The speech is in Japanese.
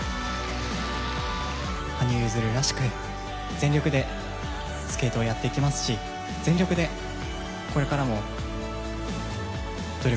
羽生結弦らしく全力でスケートをやっていきますし全力でこれからも努力を続け